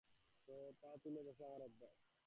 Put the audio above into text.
পা তুলে বসা আমার অভ্যাস।